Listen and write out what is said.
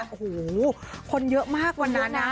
โอ้โหคนเยอะมากวันนั้นนะ